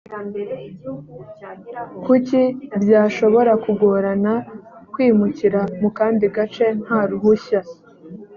kuki byashobora kugorana kwimukira mu kandi gace nta ruhushya